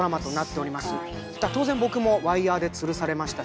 当然僕もワイヤーでつるされましたし。